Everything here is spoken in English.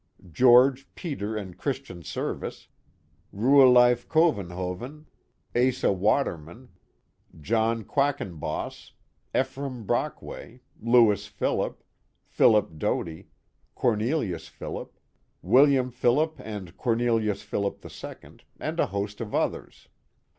George, Peter, and Christian Serviss. Rooleiffe Covenhoven, Asa Waterman, John Quackenboss, Ephraim Brockway, Lewis Phillip, Philip Doty, Cornelius Phillip. William Phillip and Cornelius Phillip, the second, and a host of others.